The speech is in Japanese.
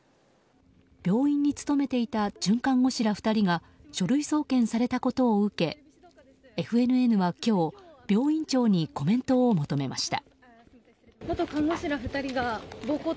病院に勤めていた准看護師ら２人が書類送検されたことを受けＦＮＮは今日病院長にコメントを求めました。